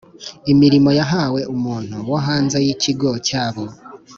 imirimo yahawe umuntu wo hanze y Ikigo cyabo